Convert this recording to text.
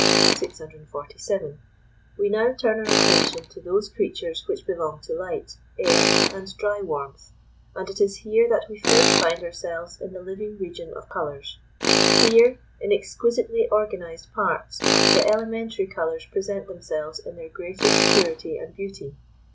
647. We now turn our attention to those creatures which belong to light, air and dry warmth, and it is here that we first find ourselves in the living region of colours. Here, in exquisitely organised parts, the elementary colours present themselves in their greatest purity and beauty.